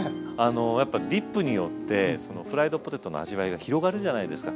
やっぱディップによってフライドポテトの味わいが広がるじゃないですか。